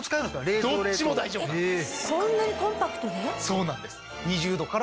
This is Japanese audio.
そうなんです。